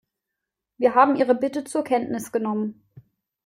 Wir haben Ihre Bitte zur Kenntnis genommen.